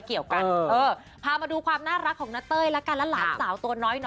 ถ้ามาดูความน่ารักของเต้ยแล้วกัน